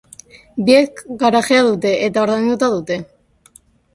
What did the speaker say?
Biek garajea dute eta ordainduta daude.